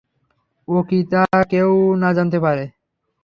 ও কী তা কেউ যেন জানতে না পারে।